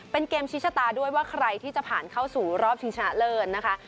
เป็นเกมชี้ชะตาด้วยว่าใครที่จะผ่านเข้าสู่รอบชิงชนะเลิศนะคะ